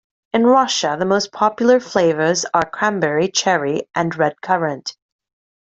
In Russia, the most popular flavours are cranberry, cherry, and redcurrant.